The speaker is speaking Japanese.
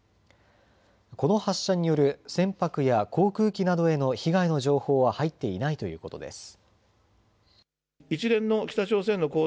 この発射による船舶や航空機などへの被害の情報は入っていないということです。